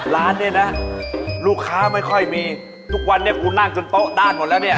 ร้านเนี่ยนะลูกค้าไม่ค่อยมีทุกวันนี้กูนั่งจนโต๊ะด้านหมดแล้วเนี่ย